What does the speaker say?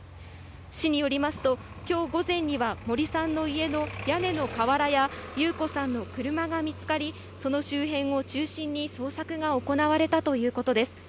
市によりますと、きょう午前には森さんの家の屋根の瓦や、優子さんの車が見つかり、その周辺を中心に捜索が行われたということです。